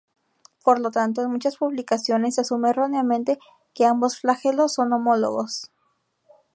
Por lo tanto, en muchas publicaciones se asume erróneamente que ambos flagelos son homólogos.